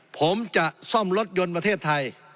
ผมจะซ่อมรถยนต์ประเทศไทย